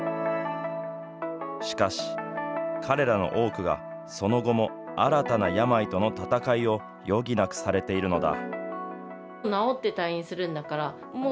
しかし、彼らの多くがその後も新たな病との闘いを余儀なくされているのだ。